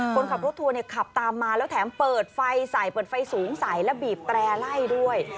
คนขับรถทัวร์เนี่ยขับตามมาแล้วแถมเปิดไฟใส่เปิดไฟสูงใสและบีบแตร่ไล่ด้วย